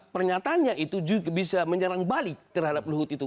pernyataannya itu bisa menyerang balik terhadap luhut itu